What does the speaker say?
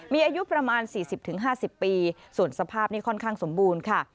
มีอายุประมาณ๔๐๕๐ปีส่วนสภาพนี้ค่อนข้างสมบูรณ์ค่ะ